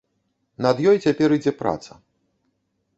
Над ёй цяпер ідзе праца.